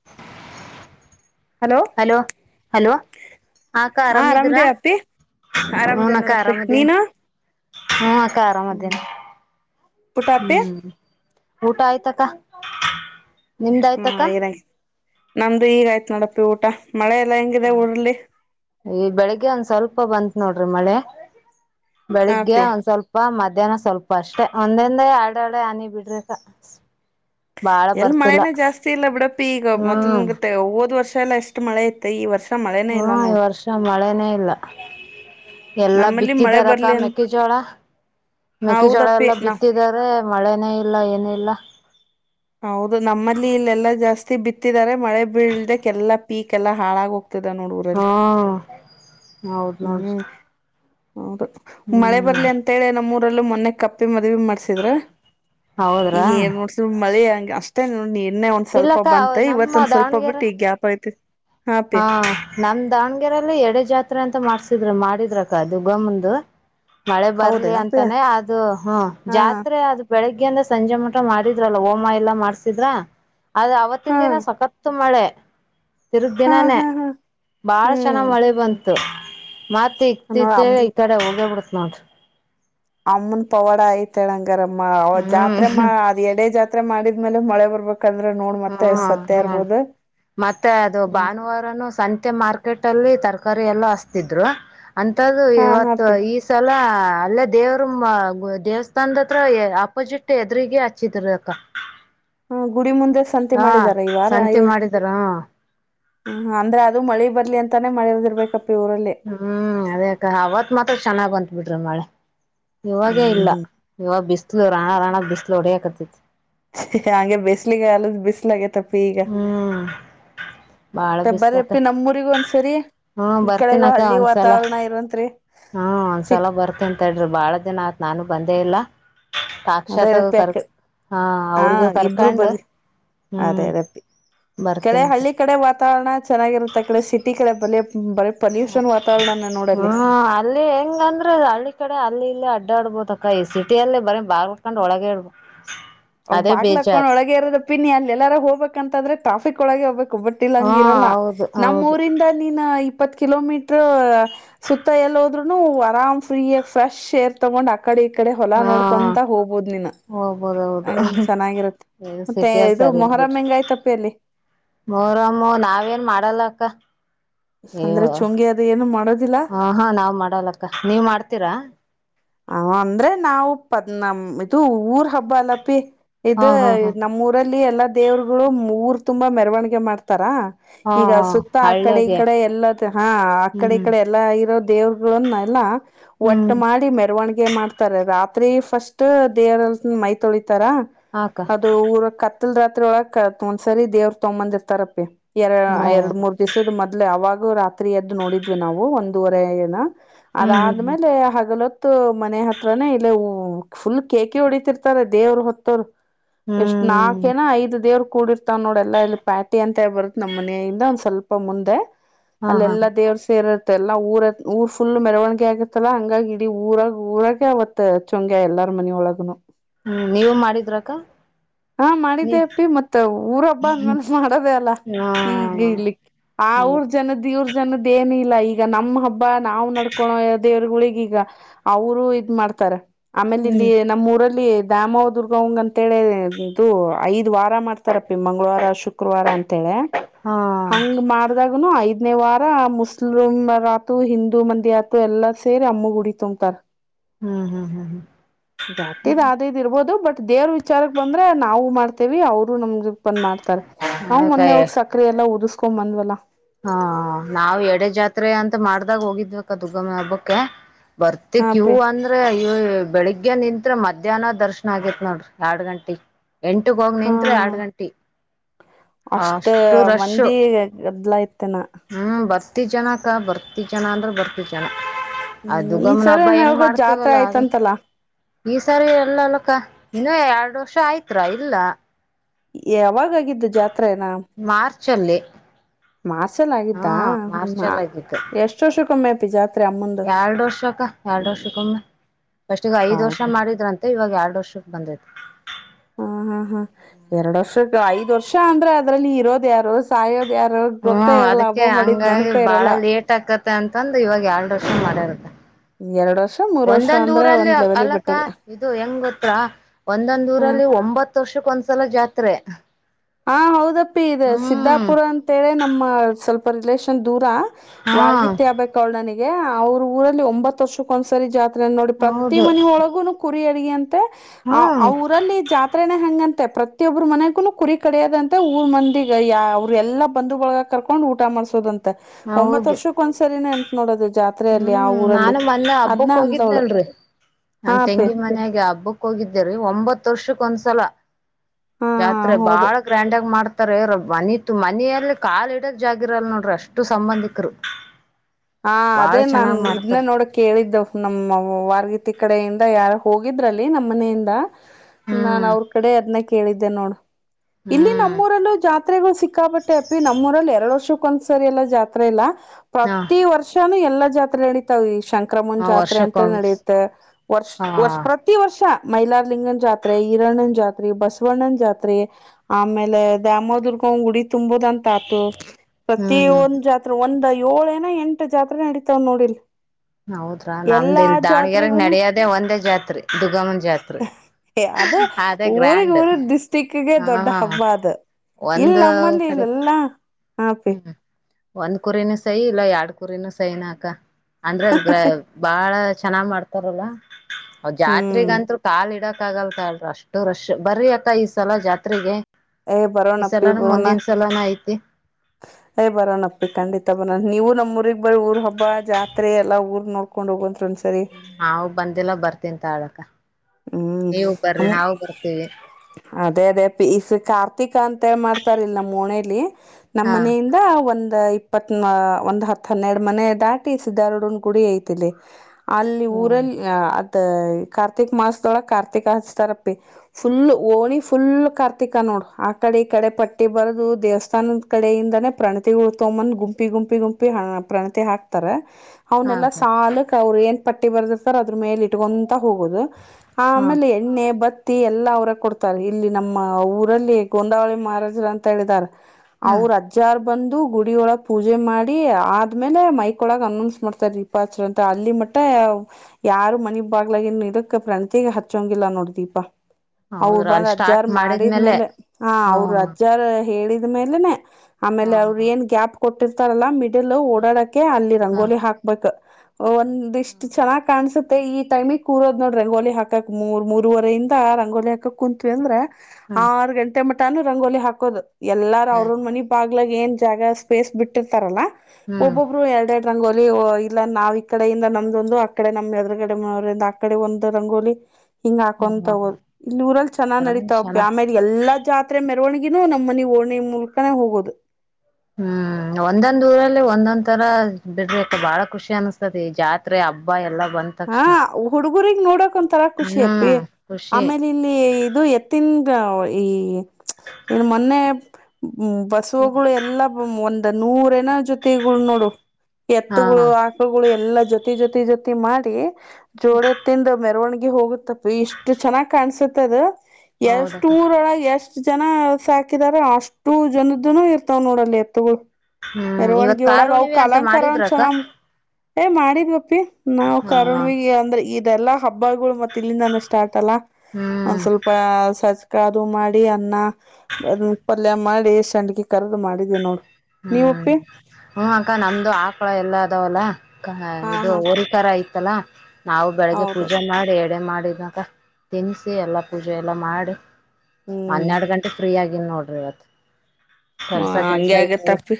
ಜಿಇಇಇಇಇ hello hello ಹಾ ಅಕ್ಕಾ ಆರಾಮಿದ್ದಿರಾ. ಆರಾಮದೇ ಅಪ್ಪಿ ಹು ಆರಾಮದೇ ನಕ್ಕಾ ನೋಡಪ್ಪಿ ಆರಾಮದೇನ ನೀನು ಹು ಅಕ್ಕಾ ಆರಾಮದೆನಿ. ಊಟ ಅಪ್ಪಿ ಹು ಊಟಾ ಆಯ್ತಕ್ಕಾ. ಹಾ ಏನ ಆಗೆತ ನಮ್ಮದು ಈಗ ಆಯ್ತು ನೋಡಪ್ಪಿ ಊಟಾ ಮಳೆ ಎಲ್ಲಾ ಹೆಂಗಿದೆ ಊರಲ್ಲಿ. ಈ ಬೆಳಿಗ್ಗೆ ಒಂದ ಸ್ವಲ್ಪ ಬಂತ ನೋಡ್ರಿ ಮಳೆ ಹಾ ಬೆಳಿಗ್ಗೆ ಅಪ್ಪಿ ಒಂದ ಸ್ವಲ್ಪ. ಪ್ಪಾ ಮಧ್ಯಾಹ್ನ ಸ್ವಲ್ಪ ಅಷ್ಟೇ ಒಂದಂದ ಆಡ ಆಡೆ ಹನಿ ಬಿಡ್ರಿಪ್ಪಾ ಎಲ್ಲ ಮಳೆನ ಜಾಸ್ತಿ ಇಲ್ಲ ಬಿಡಪ್ಪಿ ಈಗ ಮೊದ್ಲನ್ ಹ್ಮ್ ಗತೆ ಹೋದ ವರ್ಷ ಎಲ್ಲ ಅಷ್ಟು ಎಷ್ಟು ಮಳೆ ಇತ್ತು ಈ ವರ್ಷ ಮಳೆನೇ ಇಲ್ಲಾ ನೋಡು. ಇಲ್ಲಾ ಮಳೆನೇ ಇಲ್ಲಾ ಎಲ್ಲಾ ನಮ್ಮಲ್ಲಿ ಮಳೆ ಬಿತ್ತಿದಾರಕ್ಕಾ ಬರ್ಲಿ ಅಂತ ಮೆಕ್ಕೆಜೋಳಾ ಮೆಕ್ಕೆಜೋಳಾ ಹೌದಪ್ಪಿ ಎಲ್ಲಾ ನಾ ಬಿತ್ತಿದ. ತ್ತಿದಾರಾ ಮಳೆನೇ ಇಲ್ಲಾ ಏನ ಇಲ್ಲಾ ಹೌದು ನಮ್ಮಲ್ಲಿ ಇಲ್ಲೆಲ್ಲಾ ಜಾಸ್ತಿ ಬಿತ್ತಿದ್ದಾರೆ ಮಳೆ ಬೀಳ್ದಕ್ಕೆ ಎಲ್ಲಾ ಪೀಕ್ ಎಲ್ಲಾ ಹಾಳಾಗ ಹೋಗ ತ್ತಿದಾವ ನೋಡ ಊರಲ್ಲಿ ಹಾ ಹೌದ ನೋಡ ಹೌದ ಮಳೆ ಬರ್ಲಿ ಅಂತೇಳ ಹೇಳಿ ನಮ್ಮೂರಲ್ಲೂ ಮೊನ್ನೆ ಕಪ್ಪಿ ಮದ್ವಿ ಮಾಡ್ಸ್ ದ್ರ ಹೌದ್ರಾ ಏನ್ ಮಾಡ್ಸಿದ್ರು ಮಳಿ ಹಂಗ ಅಷ್ಟೇನೀನೆ ನೋಡ್ ಸ್ವಲ್ಪ ಇಲ್ಲಕ್ಕ ಬಂತು ನಮ್ಮ ಇವತ್ತೊಂದ ಸ್ವಲ್ಪ ದಾವಣಗೆರೆ ಬಿಟ್ಟು ಈಗ ಗ್ಯಾಪ್ ಆಯ್ತು. ಹಾ ನಮ್ಮ ದಾವಣಗೆರೆಯಲ್ಲಿ ಎಡೆ ಜಾತ್ರೆ ಅಂತ ಮಾಡ್ಸಿದ್ರು ಮಾಡಿದ್ರಕ್ಕ ದುರ್ಗಮುಂದು. ಮಳೆ ಬರ್ಲಿ ಹೌದೇನ ಪ್ರಿಯ ಅಂತಾನೆ ಅದು ಹು ಹಾ ಜಾತ್ರೆ ಆದು ಬೆಳಿಗ್ಗೆ ಇಂದ ಸಂಜೆ ಮಟಾ ಮಾಡಿದ್ರಲ್ಲ ಹೋಮ ಎಲ್ಲಾ ಮಾಡ್ಸಿದ್ರಾ ಅದ ಅವತ್ತಿನ ಹಾ ದಿನಾ ಸಕತ್. ತ್ತ್ ಮಳೆ ತಿರುಗ್ ಹಾ ದಿನಾನೇ ಹಾ ಹಾ ಬಾಳ ಹ್ಮ್ ಚನ್ನಾಗ ಮಳೆ ಬಂತು. ಮತ್ತ ನೋ ಅಮ್ಮ ಇತ್ತ್ಇಚಗ್ ಈ ಕಡೆ ಹೋಗೇ ಬಿಡತ್ ನೋಡ್ರ ಅಮ್ಮನ ಪವಾಡಾ ಐತಳ ಹಂಗರಾ ಅವ ಜಾತ್ರೆ ಹ್ಮ್ ಮಾಡ ಅವ ಎಡೆ ಜಾತ್ರೆ. ತ್ರೆ ಮಾಡಿದ್ಮೇಲು ಮಳೆ ಬರ್ಬೇಕಂದ್ರ ನೋಡ್ ಮತ್ತ ಹ್ಮ ಎಷ್ಟು ಸತ್ಯ ನೋಡ್ ಇರ್ಬೋದು ಮತ್ತೆ ಅದು ಹ. ಭಾನುವಾರನು ಸಂತೆ ಮಾರ್ಕೆಟ್ ಅಲ್ಲಿ ತರಕಾರಿ ಎಲ್ಲ ಹಸ್ತಿದ್ರು ಅಂತದು ಹಾ ಹಾ ಇವತ್ತು ಪಿ ಈ ತ್ತಲ್ಲ ಅಲ್ಲೇ ದೇವರು ದೇವಸ್ಥಾನದತ್ರ ಅಪೋಜೀಟ್ ಎದ್ರೀಗೆ ಹಚ್ಚಿದ್ರ ಅಕ್ಕಾ ಹಾ ಗುಡಿ ಮುಂದೆ ಸಂತಿ ಮಾಡಿದಾರ ಈ ವಾರ ಸಂತೆ ಮಾಡಿದಾರ ಹು ಅಂದ್ರ ಅದು ಮಳಿ ಬರ್ಲಿ ಅಂತಾನೆ ಮಾಡಿರರ್ಬೇಕಪ್ಪಿ ಇವರಲ್ಲಿ ಹ್ಮ್ ಅದೇ ಅಕ್ಕ ಅವತ್ ಮಾತ್ರ ಚೆನ್ನಾಗ್ ಬಂತ ಬಿಡ್ರಿ ಮಳೆ ಇವಾಗೇ ಇಲ್ಲ. ಹ್ಮ್ ಇವಾಗ ಬಿಸಿಲು ರಾ ರಾಣ ರಾಣ ಬಿಸ್ಲು ಹೊಡೆಯಕತ್ತತಿ. ಹಂಗೆ ಬಿಸಲಿಗಾಲದ ಬಿಸಲಗೇತಪ್ಪಿ ಈಗ ಹ್ಮ್ ಬಾಳ ಬಿಸ್ಲಕ್ಕ ತಬ್ಬರಿಪ್ಪಿ ನಮ್ಮೂರಿಗೂ ಒಂದ್ಸರಿ ಹ್ಮ ಈ ಕಡೆಗೂ ಹಳ್ಳಿ ವಾತಾವರಣ ಇರುವಂತ್ರೀ ಹ್ಮ್ ಒಂದ್ಸಲ ಬರ್ತಿನ್ ತಡ್ರೀ ಬಾಳ ದಿನ ಆಯತ್ ನಾನು ಬಂದೇ ಇಲ್ಲ. ಅದೇ ಸಾಕ್ಷಾತ್ ರಪ್ಪಿ ಕರ್ ಅಕ ಹ ಹಾ ಅವ್ರಿಗೂ ಇಬ್ರು ಕಾರ್ಕಂಡು ಹ್ಮ್ ಕರೆ ಬರ್ತೇನಕ್ಕ ಹಳ್ಳಿ ಕಡೆ ವಾತಾವರಣ ಚೆನ್ನಾಗಿರುತ್ತೆ ಆ ಕಡೆ ಸಿಟಿ ಕಡೆ ಬಲಿ ಬರ್ ಪಾಲ್ಯೂಷನ್ ವಾತಾವರಣನ ಹ್ಮ ನೋಡಲ್ಲಿ. ಅಲ್ಲಿ ಹೆಂಗ ಅಂದ್ರೆ ಹಳ್ಳಿ ಕಡೆ ಅಲ್ಲಿ ಇಲ್ಲೀ ಅಡ್ಡಾಡ್ಬೋದು ಅಕ್ಕ ಈ ಸಿಟಿಯಲ್ಲಿ ಬರೀ ಬಾಗಲು ಹಕೊಂಡ್ ಒಳಗೆ ಇರ್ಬೇಕು. [unintelligible] ಅಲ್ಲಿ ಬಾಗಲು ಹಾಕ್ಕೊಂಡ್ ಒಳಗೆ ಇರದಪೀ ನೀನ್ ಅಲ್ಲೆಲ್ಲಾರೂ ಹೋಗ್ಬೇಕು ಅಂತಂದ್ರೆ ಟ್ರಾಫಿಕ್ಕ್ಳೋಗೆ ಹೋಗ್ಬೇಕು ಬಟ್ ಇಲ್ಲಿ ಹಾ ಹಂಗಿರಲ್ಲ ಹೌದು ನಮ್ಮ ಹೌದು ಊರಿಂದ ನೀನ್ ಇಪ್ಪತ್ ಕಿಲೋಮೀಟರ್ ಸುತ್ತ ಎಲ್ಲಾ ಹೋದ್ರುನು ಆರಾಮ್ ಫ್ರೀಯಾಗ್ ಫ್ರೆಶ್ ಏರ್ ತಗೊಂಡ್ ಆಕಡೆ ಈಕಡೆ ಹೊಲ ನೋಡ್ಕೊಂತ ಹೋಗ್ಬಹದು ನೀನ್ ಹೋಗಬಹುದು. ಹಂಗ್ ಚೆನ್ನಾಗಿರುತ್ತೆ ಮತ್ತೆ ಇದು ಮೊಹರಂ ಹೆಂಗಾಯ್ತ್ ಅಪ್ಪಿ ಅಲ್ಲಿ. ಮೋಹರಾಂ ನಾವೇನ್ ಮಾಡಲ್ಲ ಅಕ್ಕ ಅಂದ್ರೆ ಅಯ್ಯೋ ಚೋಂಗಿ ಅದು ಏನು ಮಾಡೋದ್ ಹ ಹಾ ನಾವ್ ಮಾಡಲ್ಲಕ್ಕ ನೀವ್ ಮಾಡ್ತೀರಾ. ಅ ಅಂದ್ರೆ ನಾವು ಪದ ನಮ್ ಇದು ಊರ್ ಹಬ್ಬ ಅಲ್ಲಪಿ ಹಾ ಇದೆ ಹಾ ಹಾ ನಮ್ಮೂರಲ್ಲಿ ಎಲ್ಲಾ ದೇವರುಗಳು ಊರ್ ತುಂಬಾ ಮೆರವಣಿಗೆ ಮಾಡ್ತಾರಾ. ಹಾ ಈಗ ಸುತ್ತ ಆ ಕಡೆಗ್ ಈ ಹಳ್ಳಿಯಾಗೆ ಕಡೆ ಎಲ್ಲಾ ಹಾ ಆ ಕಡೆ ಈ ಹ್ಮ್ ಕಡೆ ಎಲ್ಲಾ ಇರೋ ದೇವ್ರುಗಳನ್ನ ಎಲ್ಲಾ ಹ್ಮ್ ಒಟ್ಟು ಮಾಡಿ ಮೆರವಣಿಗೆ ಮಾಡ್ತ್ ತಾರೆ ರಾತ್ರಿ ಫಸ್ಟ್ ದೇವರಲ್ ಮೈ ತೊಳಿತಾರ. ಹಾ ಅಕ್ಕ ಅದು ಊರ ಕತ್ತಲ್ ರಾತ್ರಿ ಒಳಕ ಒಂದ್ಸರಿ ದೇವರು ತಗೊಂಬಂದ್ ಇರ್ತಾರಪ್ಪಿ ಎರ ಹ ಎರಡು ಮೂರ್ ದಿವಸ್ದ್ ಮೊದ್ಲೆ ಅವಾಗೂ ರಾತ್ರಿಯದ್ದು ನೋಡಿದ್ವಿ ನಾವು ಒಂದೂವರೆ ಏನೊ ಹ್ಮ್ ಹ್ಮ್ ಅದಾದ್ಮೇಲೆ ಹಗಲೊತ್ ತ್ತು ಮನೆ ಹತ್ರಾನೇ ಇಲ್ಲೇ ಪುಲ್ ಕೇಕಿ ಹೊಡತಿರ್ತಾರೆ ದೇವರು ಹೊತ್ತರು. ಹ್ಮ್ ಎಷ್ಟ್ ಹ್ಮ್ ನಾಲ್ಕೇನೊ ಐದ್ ದೇವ್ ಕೂಡಿರ್ತಾವ್ ನೋಡು ಎಲ್ಲಾ ಇಲ್ಲಿ ಪ್ಯಾಟಿ ಅಂತ ಬರುತ್ತೆ ನಮ್ಮ್ ಮನೆಯಿಂದ ಒಂದ್ ಸ್ವಲ್ಪ ಮುಂದೆ. ಹಾ ಹಾ ಅಲ್ಲೆಲ್ಲಾ ದೇವರು ಸೇರತ್ತ್ ತ್ತೆ ಎಲ್ಲಾ ಊರ ಊರ್ ಪುಲ್ ಮೆರವಣಿಗೆ ಆಗತ್ತಲ್ಲಾ ಹಂಗಾಗಿ ಇಡೀ ಊರಾಗ ಊರಾಗ ಅವತ್ತ್ ತ್ ಚೊಂಗಾ ಎಲ್ಲಾರು ಮನಿ ಒಳಗೂನು ಹ್ಮ್ ನೀವು ಮಾಡಿದ್ರಕ್ಕ ಹಾ ಮಾಡಿದ್ದೇ ಹ್ಮ್ ಅಪ್ಪಿ ಮತ್ತೆ ಊರ ಹಬ್ಬ ಅಂದ್ಮೇಲೆ ಮಾಡೋದೆೇ ಅಲ್ಲ ಹಾ ಈಗ ಇಲ್ಲಿ ಆ ಊರ್ ಜನದ್ ಇವರು ಜನದ್ ಏನು ಇಲ್ಲ ಈಗ ನಮ್ಮ್ ಹಬ್ಬ ನಾವು ನಡ್ಕೊಳೋ ದೇವ್ರಗಳಿಗೆ ಈಗ ಅವರು ಇದ್ ಮಾಡ್ತಾರೆ ಆಮೇಲೆ ಇಲ್ಲಿ ಹ್ಮ್ ನಮ್ಮ ಊರಲ್ಲಿ ದಾಮೋ ದುರ್ಗಂಗ್ ಅಂತೇಳಿ ಇದು ಐದ್ ವಾರ ಮಾಡ್ತಾರಪ್ಪಿ ಮಂಗಳವಾರ ಶುಕ್ ಕ್ರವಾರ ಅಂತೇಳಿ ಹಾ ಹಂಗ್ ಮಾಡ್ ತ್ ಐದನೇ ವಾರ ಮುಸ್ಲಿಮರ ಆತು ಹಿಂದೂ ಮಂದಿ ಆತು ಎಲ್ಲಾ ಸೇರಿ ಅಮ್ಮಗ್ ಮುಡಿ ತುಂಬ್ತಾರ. [unintelligible] ಹ್ಮ್ ಹ್ಮ್ ಹ್ಮ್ ಹ್ಮ ಜಾತಿ ಅದು ಇದು ಇರ್ಬೋದು ಬಟ್ ದೇವರು ವಿಚಾರಕ್ ಬಂದ್ರೆ ನಾವು ಮಾಡ್ತೇವಿ ಅವರು ನಮ್ಗ್ ಬಂದ ಮಾಡ್ತಾರೆ ನಾವುಮೊನ್ನೆ ಆಕಾಯ ಹೋಗ್ ಸಕ್ರಿ ಎಲ್ಲ ಉದಸ್ಕೊಂಡ್ ಬಂದ್ವಲ್ಲ. ಹಾ, ನಾವು ಎಡೆ ಜಾತ್ರೆ ಅಂತ ಮಾಡ್ದಾಗ ಹೋಗಿದ್ವ ದುಗ್ಗಮ್ಮ ಹಬ್ಬಕ್ಕೆ. ಬರ್ತಿ ಹಾ ಕ್ಯೂ ಪೆ ಅನ್ ಇ ಬೆಳಿಗ್ಗೆ ನಿಂತ್ರೆ ಮಧ್ಯಾಹ್ನ ದರ್ಶನ ಆಗೇತ್ ನೋಡ್ರಿ ಎರಡ್ ಗಂಟೆಗೆ. ಎಂಟಕ ಹೋಗಿ ಹಾ ನಿಂತ್ರೆ ಎರಡು ಗಂಟೆ ಅಷ್ಟು ರಶ್ಯು. ಈಗ ಗದ್ಲಾಯ್ತು. [unintelligible] ತನ್ನ [inaudible] ಹ್ಮ್, ಬರ್ತಿ ಜನಕ್ಕ, ಬರ್ತಿ ಜನ ಅಂದ್ರೆ ಬರ್ತಿ ಜನ. ಆ ಹ್ಮ್ ಈ ದುಗಮನ ಸರಿ ಹಬ್ಬ ಏನ ಹೆಂಗ್ ಯಾವಾಗ ಜಾತ್ರೆ ಮಾಡ್ತವಲ್ಲ ಅ ಆಯ್ತಂತಲ್ಲ ಈ ಸಾರಿ ಎಲ್ಲಲ್ಲಕ್ಕ ಇನ್ನ ಎರಡು ವರ್ಷ ಆಯ್ತ್ರಾ ಇಲ್ಲ ಯಾವಾಗಾಗಿದ್ದು ಜಾತ್ರೆ ನಾ ಮಾರ್ಚ್ ಅಲ್ಲಿ ಮಾರ್ಚ್ ಲ್ ಹಾ ಆಗಿದ್ದಾ, ಹ್ಮ ಮಾರ್ಚ್ ಅಲ್ಲಿ ಎಷ್ಟು ಎಷ್ಟ ವರ್ಷಕ್ಕೊಮ್ಮೆ ಜಾತ್ರೆ ಅಮ್ಮಂದು ಎರ್ಡ್ ವರ್ಷಕ್ಕ, ಎರಡ್ ವರ್ಷಕ್ಕೊಮ್ಮೆ ಪಸ್ಟ್ ಈಗ ಐದ್ ವರ್ಷ ಹೌದು ಮಾಡಿದ್ರಂತ. ಇವಾಗ ಎರಡು ವರ್ಷಕ್ಕೆ ಬಂದೈತೆ. ಹ, ಹಾ, ಹಾ ಎರಡ್ ವರ್ಷಕ್ಕೆ ಐದ್ ವರ್ಷ ಅಂದ್ರೆ ಅದ್ರಲ್ಲಿ ಇರೋದ ಯಾರು ಸಾಯೋದ ಯಾರೊ ಹ್ಮ್, ಅದಕ್ಕೆ ಹಂಗಾಗಿ ಬಾಳ ಲೇಟ್ ಆಕತ್ತ ಅಂತಂದು ಇವಾಗ ಎರಡ ವರ್ಷ ಹೌದು ಮಾಡಿರತ್ತ. ಎರಡ್ ವರ್ಷ ಮೂರ್ ವರ್ಷ ಒಂದೊಂದ್ ಅಂದ್ರೆ ಊರಲ್ಲಿ ಒಂದ್ ಲೆವೆಲಿಗ್ ಅಲಕ್ಕ ಬಿಟ್ಟಾರ ಇದು ಹೆಂಗ್ ಗೊತ್ತ ಒಂದೊಂದ್ ಹ ಊರಲ್ಲಿ ಒಂಬತ್ತು ವರ್ಷಕ್ ಒಂದ್ಸಲ ಜಾತ್ರೆ. ಹಾ, ಹೌದಪ್ಪಿ ಇ ಹ್ಮ್ ಸಿದ್ದಾಪುರ ಅಂತೇಳಿ ನಮ್ಮ ಸ್ವಲ್ಪ ರಿಲೇಷನ್ ದೂರ ಹಾ ವಾರ್ಗಿತ್ತ ಆಗ್ಬೇಕ ಅವಳು ನನಗೆ ಅವ್ರ ಊರಲ್ಲಿ ಒಂಬತ್ ವರ್ಷಕ್ಕ ಒಂದ್ಸರಿ ಜಾತ್ರೆ ನೋಡಿ ಪ್ರತಿ ಹೌದು ಮನಿ ಒಳಗು ಕುರಿ ಅಡುಗೆ ಅಂತೆ ಹ್ಮ್ ಅವರಲ್ಲಿ ಜಾತ್ ಹಂಗಂತೆ ಪ್ರತಿಯೊಬ್ಬರು ಮನೆಗೂ ಕುರಿ ಕಡೆಯದಂತ ಊರ್ ಮಂದಿಗ ಯ ಅವರು ಎಲ್ಲ ಬಂಧು ಬಳಗ ಕರ್ಕೊಂಡ್ ಊಟ ಮಾಡ್ಸೋದಂತ. - ಒಂಬತ್ ಹೌದು ವರ್ಷಕ್ಕ ಒಂದ್ ಸರಿನೇ ಅಂತಾ ನೋಡೋದು ಜಾತ್ರೆ. ಹ್ಮ್, ನಾನು ಮೊನ್ನೆ ಹಬ್ಬಕ್ ಅಂದ್ಲವಳು ಹೋಗಿದ್ನಲ್ರರಿ ನಮ್ಮ ಹಾ ಅಪ್ಪಿ ತಂಗಿ ಮನ್ಯಾಗ ಹಬ್ಬಕ್., ಹೋಗಿದ್ದೇರಿ ಒಂಬತ್ತು ವರ್ಷಕ್ಕ್ ಒಂದ್ಸಲ ಹಾ ಜಾತ್ರೆ ಹೌದು ಬಾಳ್ ಗ್ರ್ಯಾಂಡಾಗಿ ಮಾಡ್ತಾರೆ ಮನಿ, ಮನೇಲ್ಲಿ ಕಾಲ್ ಇಡಕ್ ಜಾಗಿರಲ್ ನೋಡ್ರಿ ಅಷ್ಟು ಸಂಬಂಧಿಕರು. ಹಾ, ಬಾಳ ಅದೇ ನಾನ್ ಚೆನ್ನಾಗ್ ಇದ್ನ್ನ ಮಾಡ್ತಾರ ನೋಡಕ್ಕೆ ಕೇಳಿದ್ದ ನಮ್ಮ ವಾರ್ಗಿತಿ ಕಡೆಯಿಂದ ಯಾರೋ ಹೋಗಿದ್ರಲ್ಲಿ ನಮ್ಮ್ ಮನೆಯಿಂದ. ನಾ ಹ್ಮ್ ಅವ್ರ ಕಡೆ ಅದ್ನ್ ಕೇಳಿದ್ದೆ ನೋಡು. ಇಲ್ಲಿ ಹ್ಮ್ ನಮ್ಮೂರಲ್ಲೂ ಜಾತ್ರೆಗಳು ಸಿಕ್ಕಾ ಬಟ್ಟೆ ಅಪ್ಪಿ ನಮ್ಮೂರಲ್ಲಿ ಎರಡು ಎರಡು ವರ್ಷಕ್ಕೆ ಒಂದ್ ಸರಿ ಎಲ್ಲಾ ಜಾತ್ರೆ ಇಲ್ಲ ಹಾ ಪ್ರತಿ ವರ್ಷನು ಎಲ್ಲಾ ಜಾತ್ರೆ ನಡಿತಾವು ಈ ಶಂಕ್ರಮ್ಮನ್ ಹ ಜಾತ್ರೆ ಅಂತಾ ವರ್ಷಕ್ಕೊಮ್ಸ ನಡೆಯುತ್ತೆ ವರ್ಷ- ಹಾ ವರ್ಷ ಪ್ರತಿ ವರ್ಷ ಮೈಲಾರಲಿಂಗನ್, ಜಾತ್ರೆ ಈರಣ್ಣನ್ ಜಾತ್ರೆ, ಬಸವಣ್ಣನ ಜಾತ್ರೆ ಆಮೇಲೆ ದ್ಯಾಮವ್ವ ದುರ್ಗ್ ವ್ನಗುಡಿ ತುಂಬುದಂತ ಆತು ಪ್ರತಿ ಹ್ಮ್ ಒಂದ್ ಜಾತ್ರೆ ಒಂದ್ ಏಳು ಎಂಟು ದಿನಾ ಎಂಟು ಜಾತ್ರೆ ನಡೆಯುತ್ತಾವು ನೋಡ್ ಇಲ್ಲಿ. ಹೌದ್ರಾ, ನಮ್ದ ಇಲ್ ದಾವಣಗೆರೆಗೆ ಜಾತ್ರೆಗುನು ನಡಿಯೋದೇ ಒಂದೇ ಜಾತ್ರೆ ದುರ್ಗಮನ್ ಜಾತ್ರೆ. ಅದು ಅದೇ ಊರಿಗ್ ಗ್ರ್ಯಾಂಡ್ ಊರ ಡಿಸ್ಟಿಕ್ಗೆ ಹಾ ದೊಡ್ಡ ಹಬ್ಬ ಅದು. ಇಲ್ಲ ಒಂದು ನಮ್ಮಲ್ಲಿ ಕಡೆ ಇಲ್ಲಲ್ಲಾ ಆಪಿ ಹ್ಮ್ ಒಂದ್ ಕುರಿನೂ ಸಹಿ ಇಲ್ಲ ಎರಡ್ ಕುರಿನೂ ಸೈನೆಅಕ್ಕಾಅಂದ್ರೆ ಬಾಳ ಚೆನ್ನಾಗ್ ಮಾಡ್ತ ತಾರಲ್ಲ ಅವ ಹ್ಮ್ ಜಾತ್ರೆಗಂತರು ಕಾಲ್ ಇಡಕ್ ಆಗಲ್ ಅಲ್ ಅಷ್ಟು ರಶ್ ಬರಿ ಅಕ್ಕ ಈ ಸಲ ಜಾತ್ರೆಗೆ. ಏ ಈ ಬರೋಣಪ್ಪಿ ಸಲಾನ ಮುಂದಿನ ಸಲಾನ ಐತಿ ಯ್ ಬರನ್ಪ್ಪಿ ಖಂಡಿತ ಬರ ನೀವು ನಮ್ಮೂಊರಿಗೆ ಬರೀ ಊರ್ ಹಬ್ಬಾ ಜಾತ್ರೆ ಎಲ್ಲಾ ಊರ್ ನೋಡ್ ಹುಡುಕ ಕೊಂಡ ಹೋಗದರಲ್ಲಿ ಸರಿ. ನಾವು ಬಂದಿಲ್ಲ ಬರತೀನಿ ತಾಳ ಅಕ್ಕಾ ನೀವು ಬರ್ರಿ ಹ್ಮ್ ನಾವು ಬರ್ತೀವಿ. ಅದೇ ಅದೇ ಅಪ್ಪಿ ಈ ಕಾರ್ತಿಕ ಅಂತ ಮಾಡ್ತಾರ್ ಇಲ್ ನಮ್ಮ್ ಒನೇಲಿ ನಮ್ಮ್ ಹಾ ಮನಿಂದ ಹಾ ಒಂದ್ ಇಪ್ಪತ್ ಒಂದ್ ಹತ್ ಹನ್ನೆರಡು ಮನೆ ದಾಟಿ ಸಿದ್ದಾರೋಡ ನ ಗುಡಿ ಐತಿಲ್ಲಿ ಅಲ್ಲಿ ಹ್ಮ್ ಊರಲ್ಲಿ ಅದ ಕಾರ್ತಕ್ ಮಾಸದೊಳಗೆ ಕಾರ್ತಿಕ ಹಚ್ಚತಾರಪ್ಪಿ. ಫುಲ್ ಓಣಿ ಫುಲ್ ಕಾರ್ತಿಕ ನೋಡು ಆ ಕಡೆ ಈ ಕಡೆ ಪಟ್ಟಿ ಬರದು ದೇವಸ್ಥಾನದ ಆಕಡೆಯಿಂದಾನೇ ಪ್ರಣತಿಗಳು ತೊಂಬಂದ ಗುಂಪಿ ಗುಂಪಿ ಗುಂಪಿ ಹಣ ಪ್ರಣತಿ ಹಾಕ್ತಾರ. ಹಾ ಅವನ್ನೆಲ್ಲ ಸಾಲಕ್ ಅವರು ಏನ್ ಪಟ್ಟಿ ಬರೆದಿರ್ತಾರೆ ಅದ್ರ ಮೇಲೆ ಇಟ್ಕೊಂತ ಹೋಗೋದು ಹಾ ಆಮೇಲೆ ಎಣ್ಣೆ ಬತ್ತಿ ಎಲ್ಲಾ ಅವ್ರ ಕೊಡ್ತಾರೆ ಇಲ್ಲಿ ನಮ್ಮ ಊರಲ್ಲಿ ಗೋಂದಾವಳಿ ಮಹಾರಾಜರ ಅಂತ ಹೇಳಿದಾರ. ಹ್ಮ್ ಅವ್ರ ಅಜ್ಜಾರ್ ಬಂದು ಗುಡಿ ಓಳಗ ಪೂಜೆ ಮಾಡಿ ಆದ್ಮೇಲೆ ಮೈಕ್ ಒಳಗ ಅನೌನ್ಸ್ ಮಾಡ್ತೀತಿ. [unintelligible] ಅಲ್ಲಿ ಮಟ್ಟ ಯಾರು ಮನಿ ಬಾಗ್ಲಾಗಿನ್ ಇದ ಪ್ರಂತಗೆ ಹಚ್ಹೋಗಿಲ್ಲ ನೋಡ ದೀಪಾ. ಅವರು ಹೌದ್ರ ಬಂದ್ ಅಲ್ಲಿ ಸ್ಟಾರ್ಟ್ ಅಜ್ಜಾರ್ ಮಾಡಿದ್ಮೇಲೆ ಹಾ ಅವ್ರ ಅಜ್ಜಾರ್ ಹೇಳಿದ್ಮೇಲೆನೆ. ಹಾ ಆಮೇಲೆ ಅವರು ಏನ್ ಗ್ಯಾಪ್ ಕೊಟ್ಟಿರ್ತಾರಲ್ಲ ಮಿಡಿಲ್ ಓಡಾಡಕ ಅಲ್ಲಿ ಹಾ ರಂಗೋಲಿ ಹಾಕ್ಬೇಕ ಒಂದಿಷ್ಟು ಚೆನ್ನಾಗ್ ಹ್ಮ್ ಕಾಣಸುತ್ತೆ ಈ ಟೈಮ್ ಗೆ ಕೂರ್ ನೋಡ್ರ ರಂಗೋಲಿ ಹಾಕಕ್ ಮೂರ್ ಮೂರರುವರೆ ಇಿಂದ ರಂಗೋಲಿ ಹಾಕಕ್ ಕುೂಂತ್ವಿ ಅಂದ್ರೆ ಆರು ಗಂಟೆ. ಅಲ್ಲಿ ಮಟಮಟಾನೂ ರಂಗೋಲಿ ಹಾಕೋದು ಎಲ್ಲಾರು ಅವ್ರೊ್ ಹ್ಮ್ ಮನೆ ಬಾಂಗ್ಲಾದ ಏನ್ ಜಾಗ ಸ್ಪೇಸ್ ಬಿಟ್ಟಿರ್ತಾರಲ್ಲ. ಹ್ಮ್ ಒಬ್ಬೊಬ್ರು ಎರಡೆರಡು ರಂಗೋಲಿ ಇಲ್ಲಾ ನಾವ್ ಇ ಕಡೆಯಿಂದ ನಮ್ದೊಂದು ಆಕಡೆ ನಮ್ ಎದ್ರಗಡೆೋ್ರಂದ ಆ ಕಡೆ ಒಂದು ರಂಗೋಲಿ ಹಿಂಗ್ ಹಾಕೊಂತ ಹೋತ ಇಲ್ಲಿ ಊರಲ್ಲಿ ಚೆನ್ನ್ ನಡೀತಾವಪ್ಪಿ ಚೆನ್ನ ಆಮೇಲೆ ಎಲ್ಲಾ ಜಾತ್ರೆ ಮೆರವಣಗಿನೂ ನಮ್ಮ ಮನಿ ಓಣಿ ಮೂಲಕನೇ ಹೋಗೋದು ಹ್ಮ್ ಒಂದೊಂದ್ ಊರಲ್ಲಿ ಒಂದೊಂದ್ ತರ ಬಿಡ್ಬೇಕ ಬಹಳ ಖುಷಿ ಅನಿಸತತಿ ಜಾತ್ರೆ ಹಬ್ಬ ಎಲ್ಲಾ ಬಂತ.. ಹಾ ಹುಡುಗರಿಗ್ ನೋಡಕ್ ಒಂತರ ಖುಷಿ ಅಪ್ಪಿ ಹ್ಮ್ ಖುಷಿ ಆಮೇಲೆ ಇಲ್ಲಿ ಇದು ಎತ್ತನ್ ಈ ಏನ್ ಮೊನ್ನೆ ಬತ್ತ ಹಸುವಗಳು ಎಲ್ಲಾ ಒಂದ್ ನೂರ ನ ಜೊತೆಗಳು ನೋಡು ಹಾ ಎತ್ತುಗಳು ಆ ಎತ್ತುಗಳೂ ಎಲ್ಲಾ ಜೊತೆ ಜೊತಿ ಜೊತೆ ಮಾಡಿ ಜೋಡೆ ತಿಂದ ಮೆರವಣಿಗೆ ಹೋಗುತ್ತಪ್ಪ ರಿ ಇಷ್ಟು ಚೆನ್ನಾಗ್ ಕಾಣಸುತ್ತದ ಹೌದಕ್ಕ ಎಷ್ಟುರ [unintelligible] ಎಷ್ಟ್ ಜನ ಸಾಕಿದಾರ ಅಷ್ಟು ಜನದನ ಇರ್ತಾವ್ ನೋಡಲ್ಲಿ ಎತ್ತುಗಳು. ಹ್ಮ್ ಇವತ್ ಮೆರವಣಗಿ ಕಾರ್ ಒಳಗೆ ಅವಕ್ಕ್ ಹುಣಿವಿ ಅಂತ ಅಲಂಕಾರ ಮಾಡಿದ್ರಕ್ಕ ಚನ್ನಾಗಿ ನಾಮ ಏ ಮಾಡಿದ್ ಗಪ್ಪಿ ನಾವು ಹ ಕಾರು ಹುಣ್ಣಿಮೆಗೆ ಅಂದ್ರೆ ಇದೆಲ್ಲಾ ಹಬ್ಬಗಳು ಮ ಇಲ್ಲಿಂದ ನಾ ಸ್ಟಾರ್ಟ್ ಅಲ್ಲ ಒಂದ್ ಹ್ಮ್ ಸ್ವಲ್ಪ ಸಜಕದು ಮಾಡಿ ಅನ್ನ ಅದ್ ಪಲ್ಯ ಮಾಡಿ ಸಂಡಗಿ ಕರ್ದು ಮಾಡಿದ್ದ ನೋಡು. ಹ್ಮ್ ನೀವಪ್ಪಿ [inaudible] ಹ್ಮ್ ಅಕ್ಕ ನಮ್ದು ಆಕಳ ಎಲ್ಲ ಅದಾವಲ್ಲ ಹಾ ಇದು ಹಾ ಹೋರಿ [unintelligible] ತರ ಐತಲ್ಲಾ ನಾವು ಬೆಳಿಗ್ಗೆ ಹೌದು ಪೂಜೆ ಮಾಡಿ ಎಡೆ ಮಾಡಿದಕ ತಿನ್ನಿಸಿ ಎಲ್ಲಾ ಪೂಜೆ ಎಲ್ಲ ಮಾಡಿ ಹ್ಮ್ ಹನ್ನೆರಡ ಗಂಟೆ ಫ್ರೀ ಆಗಿ ನೋಡ್ರಿ ಇವತ್ ಕೆಲ್ಸ ಕೆಲ್ಸ ತಪ್ಪಿ.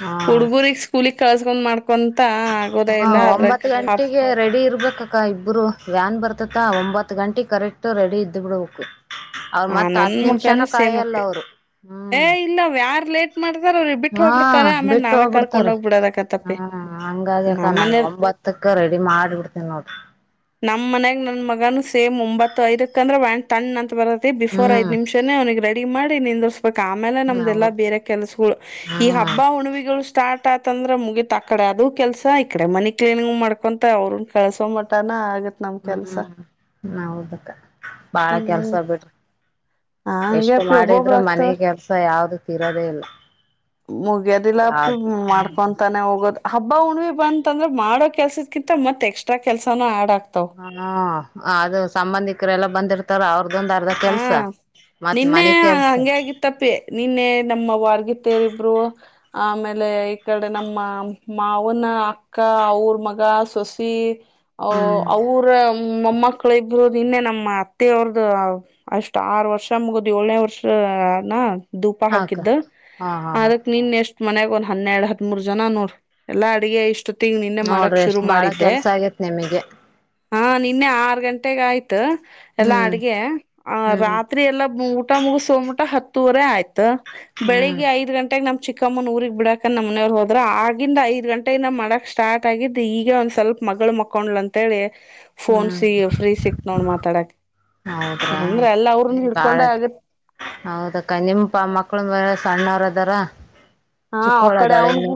ಹಾ ಹುಡ್ಗುರಿ ಸ್ಕೂಲಗ್ ಕಳ್ಸ್ಕೊಂಡ್ ಮಾಡ್ಕೊಂತ ಆಗೋದೇ ಹ ಇಲ್ಲ ಒಂಬತ್ ಅದ್ರಾಗ ಹ ಗಂಟೆಗೆ ರೆಡಿ ಇರ್ಬೇಕ ಅಕ್ಕ ಇಬ್ಬರು ವ್ಯಾನ್ ಬರ್ತತ ಒಂಬತ್ತ ಗಂಟೆ ಕರೆಕ್ಟ್ ರೆಡಿ ಇದ್ದು ಬಿಡ್ಬೇಕು ಅವರು ಆ ಮತ್ತ ನನ್ ಹತ್ ನಿಮಿಷಾನ ಮಗನು ಸೇಮ್ ಕಾಯಿಲ್ಲ ಅಪ್ಪಿ ಅವ್ರು ಏ ಹ್ಮ್ ಇಲ್ಲ ಯಾರ ಲೇಟ್ ಮಾಡ್ತಾರ ಅವ್ರಿಗೆ ಬಿಟ್ಟು ಹಾ ಹೋಗ್ಬಿಡ್ತಾರ ಆಮೇಲೆ ಬಿಟ್ಟು ನಾವೇ ಹೋಗ್ಬಿಡ್ತಾರ ಕರ್ಕೊಂಡ್ ಹೋಗ್ಬಿಡದಕತ್ತಪ್ಪಿ ಹ ಹಂಗಾಗೆ ಅಕ್ಕಾ ನಮ್ ನಾನ ಮನೇಲ್ ಒಂಬತ್ತ ಅದಕ್ಕ್ ರೆಡಿ ಮಾಡಿ ಬಿಡ್ತೇನ ನೋಡ್ರಿ ನಮ್ ಮನ್ಯಾಗ ನನ್ನ ಮಗನು ಸೇಮ್ ಒಂಬತ್ತು ಐದಕ್ ಅಂದ್ರ ವ್ಯಾನ್ ತಣ್ಣ ಅಂತ ಬರತ್ತ. ಬಿಫೋರ್ ಐದ ಹ್ಮ್ ನಿಮಿಷೇ ಅವನಿಗೆ ರೆಡಿ ಮಾಡಿ ನಿಂದರಸಿ. ಅದಕ್ ಆಮೇಲೆ ನಮ್ದೆಲ್ಲಾ ಹೌದು ಬೇರೆ ಕೆಲ್ಸಗಳು ಈ ಹಬ್ಬ ಹ್ಮ್ ಹುಣ್ಣಿವೆಗಳು. ಸ್ಟಾರ್ಟ್ ಆತಂದ್ರೆ ಮುಗೀತ ಆ ಕಡೆ ಅದು ಕೆಲಸ ಈ ಕಡೆ ಮನಿ ಕ್ಲೀನಿಂಗ್ ಮಾಡ್ಕೊಂತ ಅವ್ರ ಕಲ್ಸೋ ಮಟ್ಟನ ಆಗುತ್ತೆ. ಹ್ಮ್ ಹೌದುಕ್ಕ ಬಾಳ ಕೆಲ್ಸ ಹ್ಮ್ ಆವ ಬಿಡ್ರಿ. ಹಂಗೆ ಎಷ್ಟು ಅಪ್ಪಿ ಒಬ್ಬೊಬ್ರು ಮಾಡಿದ್ರರು ಮನೆ ಆಗ್ತವಲ್ ಕೆಲ್ಸ ಯಾವ್ದು ತೀರೋದೇ ಇಲ್ಲ. ಮುಗಿಯದಿಲ್ಲಪ್ಪಿ ಯಾವ್ದ ಮಾಡ್ಕೊ. ತಾನೆ ಹೋಗೋದ್ ಹಬ್ಬ ಹುಣ್ಣಿವಿ ಬಂತಂದ್ರ ಮಾಡೋ ಕೆಲ್ಸದಕಿಂತ ಮತ್ ಎಕ್ಸಟ್ರ ಕೆಲ್ಸಾನ ಯಾಡ್ ಆಕ್ತಾವ. ಹ ಹ ಅದು ಸಂಬಂಧಿಕರೆ ಎಲ್ಲ ಬಂದಿರ್ತಾರ ಅವ್ರದ್ದೊಂದ. ಅದೇ ಹಾ ಕೆಲ್ಸ ಮತ್ ಮನೆ ಕೆಲ್ಸ. ತಪ್ಪೆ ನಿನ್ನೆ ನಮ್ಮ ಅವಾರ್ಗ ತೇರಿಬ್ರು. ಆಮೇಲೆ ಈ ಕಡೆ ನಮ್ಮ ಮಾವನ ಅಕ್ಕ ಅವ್ರ ಮಗ ಸೊಸ್. ಇ ಅ ಹ್ಮ್ ಅವರ ಮೊಮ್ಮಕ್ಕಳ ಇಬರೋದು ನೀನ್ನೆ ನಮ್ಮ ಅತ್ತೆ ಅವ್ರದ. ಅಷ್ಟ್ ಆರ್ ವರ್ಷ ಮುಗುದ ಏಳನೇ ವರ್ಷನ ಧೂಪ ಹಾಕ್ಕ ಹಾಕಿದ್ದ ಹಾ ಹಾ ಹಾ ಅದಕ್. ನಿನ್ ಎಷ್ಟ್ ಮನಯಾಗ ಒಂದ್ ಹನ್ನೆರಡ್ ಹದಮೂರ್ ಜನ ನೋಡ ಎಲ್ಲಾ ಅಡಗೆ ಇಷ್ಟು. ಟಿಂಗ್ ನಿನ್ನೆ ಮಾಡಕ್ ನೋಡ್ರಿ ಶುರು ಎಷ್ಟ್ ಬಾಳ ಮಾಡಿದ್ದೆ. ಕೆಲ್ಸ ಆಗೇತ್ ನಿಮಗೆ ಹಾ ನಿನ್ನೆ ಆರು ಗಂಟೆಗ ಆಯ್ತು ಎಲ್ಲಾ ಹ್ಮ್ ಅಡ್ಗೆ. ಆ ಹ್ಮ್ ರಾತ್ರಿ ಎಲ್ಲಾ ಮು ಊಟ ಮುಗಸ ಹೋಗಮಟ್ಟ ಊಟ ಹತ್ತೂವರೆ ಆಯ್ತ. ಹ್ಮ್ ಬೆಳಿಗ್ಗೆ ಐದ ಗಂಟೆಗೆ ನಮ್ ಚಿಕ್ಕ ಚಿಕ್ಕಮ್ಮನ್ ಊರಿಗೆ ಬಿಡಕ ನಮ್ಮ ಮನವ್ರು ಹೋದ್ರ ಆಗಂದ ಐದ ಗಂಟೆಯಿಂದ ಮಾಡಕ್ ಸ್ಟಾರ್ಟ್ ಆಗಿದ್ದ್ ಈಗ ಒಂದ್ ಸ್ವಲ್ಪ ಮಗಳು. ಮಕೊಂಡ್ಲ ಅಂತೇಳಿ ಫೋನ್ಸ ಹ್ಮ್ ಫ್ರೀ ಸಿಕ್ತ ನೋಡ್ ಮಾತಾಡಕ್. ಹೌದ್ರಾ ಅಂದ್ರ ಎಲ್ಲ ಅವ್ರನ್ನ ಬಾಳ. ಹಿಡ್ಕೊಂಡೆ ಆಗತ್ ಹೌದಕ್ಕ ನಿಮ್ ಪ ಮಕ್ಕಳ ಮರಿ ಸಣ್ಣವ್ರ ಅದಾರ. ಹಾ ಚಿಕ್ಕೋಳ ಅಕ್ಕಡೆ ಅದಾಳ ಇನ್ನು ಅವಂದು.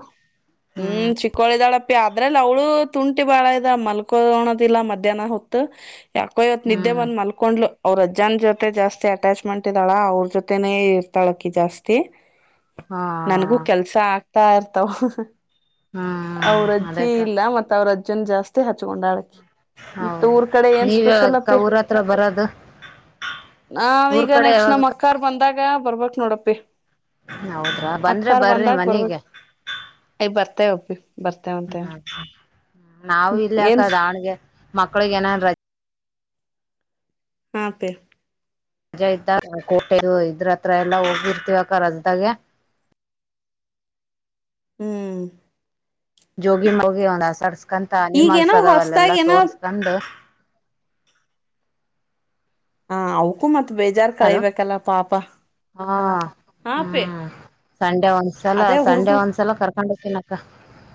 ಹ್ಮ್ ಚಿಕ್ಕೋಳಿದಾಳಪ್ಪಿ ಅದ್ರಲ್ಲಿ ಅವುಳು ತುಂಟಿ ಬಾಳ ಇದಾಳ ಮಲ್ಕೋಣದಿಲ್ಲ ಮಧ್ಯಾಹ್ನ ಹೊತ್ತು. ಯಾಕೋ ಇವತ್ ನಿದ್ದೆ ಹ್ಮ್ ಬಂದ್ ಮಲ್ಕೊಂಡ್ಲು. ಅವ್ರ ಅಜ್ಜನ್ ಜೊತೆ ಜಾಸ್ತಿ ಅಟ್ಯಾಚ್ಮೆಂಟ್ ಇದ್ದಾಳ ಅವ್ರ ಜೊತೆನೇ ಇರ್ತಾಳಕಿ ಜಾಸ್ತಿ. ಹಾ ಹಾ. ಗೂ ಕೆಲ್ಸ ಆಗ್ತಾ ಇರ್ತಾವ. ಹ್ಮ್ ಅವ್ರಜ್ಜಿ ಅದೇಕ್ಕ ಇಲ್ಲ ಮತ್ತ ಅವ್ರ ಅಜ್ಜನ್ನು ಜಾಸ್ತಿ ಹಚ್ಕೊಂಡಳ ಆಕಿ. ಮುತ್ತು ಹೌದು ಊರ್ ಕಡೆ ಏನ್ ನೀವ ಯಾವಾಗ ಸ್ಪೆಷಲ್ ಅಪಿ. ಅಕ್ಕ ಊರ ಹತ್ರ ಬರೋದು ನಾವ ಊರ್ ಈಗ ಕಡೆ ನೆಕ್ಸ್ಟ್ ಯಾವಾಗ ನಮ್ ಅಕ್ಕಾರ್ ಬಂದಾಗ ಬರ್ಬೇಕ ನೋಡಪ್ಪಿ. ಹೌದ್ರಾ ಬಂದ್ರೆ ಬರ್ರಿ ಮನೀಗಿ. ಏ ಬರ್ತೇವೆ ಅಪ್ಪಿ. ಬರ್ತೇವಂತೆ ಹ್ಮ ನಾವ ಇಲ್ಲಿ ಏನ್ ಅಕ್ಕ ದಾವಾಣಗೆ ಮಕ್ಳಗ ಏನನ್. ಹಾ ಅಪ್ಪಿ. ರಜಾ ಇದ್ದಾಗ ಕೋಟೆ ಇದ್ರತ್ರ ಎಲ್ಲಾ ಹೋಗಿರ್ತಿವಕ್ಕ ರಜದಾಗೆ. ಹ್ಮ್. ಜೋಗಿ ಮೋಗಿ ಒಂದ ಆಸಡ್ಸ್ಕಂತ ಈಗೇನೋ ಅನಿಮಾಲ್ಸದವ ಅಲ್ಲೆಲ್ಲಾ ಹೊಸದಾಗಿ ಏನೋ ತೋರ್ಸ್ಕಂಡ್. ಹಾ ಅವ್ಕೂ ಮತ್ ಬೇಜಾರ್ ಹಲೋ ಕಳಬೇಕಲ್ಲ ಪಾಪ. ಹಾ ಹಾ ಪೆ ಹ್ಮ್. ಸಂಡೆ ಒಂದ್ಸಲ ಅದೇ ಸಂಡೆ ಹುಡುಗು ಒಂದ್ಸಲ ಕರ್ಕೊಂಡ್ ಹೋಕೀನಕ್ಕ.